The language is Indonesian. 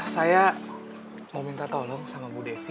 saya mau minta tolong sama bu devi